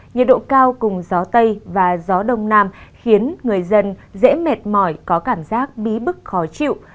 nhiệt độ cao cùng gió tây và gió đông nam khiến người dân dễ mệt mỏi có cảm giác bí bức khó chịu